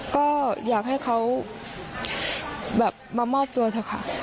ก็อยากให้เขาแบบมามอบตัวเถอะค่ะ